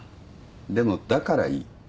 でもだからいい。